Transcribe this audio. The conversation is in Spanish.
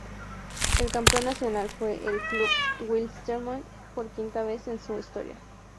El Campeón Nacional fue el Club Wilstermann por quinta vez en su historia.